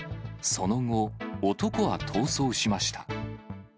その後、男は逃走しました。